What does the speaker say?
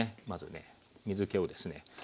まずね水けをですね